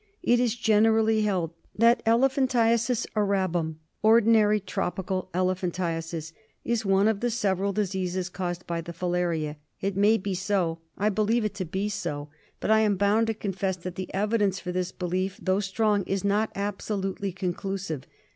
It is generally held that elephantiasis arabum, ordinary tropical elephantiasis, is one of the several diseases caused by the filaria. It may be so. I believe it to be so, but I 220 PROBLEMS IN TROPICAL MEDICINE. am bound to confess that the evidence for this belief, though strong, is not absolutely conclusive.